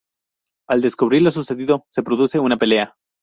Al descubrir lo sucedido, se produce una pelea.